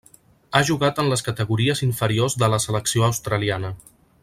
Ha jugat en les categories inferiors de la selecció australiana.